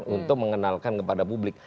untuk mengenalkan kepada publik